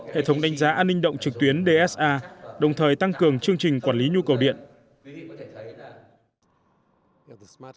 hệ thống đánh giá an ninh động trực tuyến dsa đồng thời tăng cường chương trình quản lý nhu cầu điện